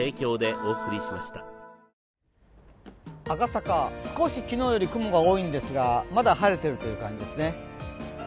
赤坂、少し昨日より雲が多いんですがまだ晴れているという感じですね。